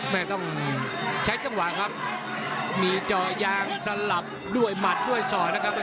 แม่ต้องใช้จังหวะครับมีเจาะยางสลับด้วยหมัดด้วยสอดนะครับ